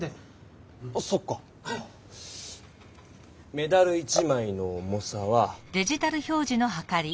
メダル１枚の重さは。